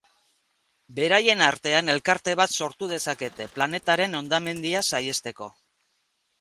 Beraien artean elkarte bat sortu dezakete, planetaren hondamendia saihesteko.